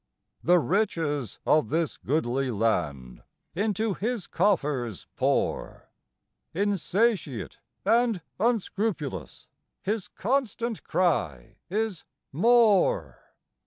The riches of this goodly land into his coffers pour; Insatiate and unscrupulous, his constant cry is "More!"